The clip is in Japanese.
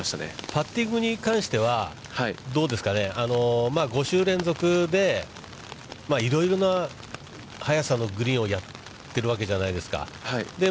パッティングに関しては、どうですかね、５週連続でいろいろな速さのグリーンをやってるわけじゃないですか。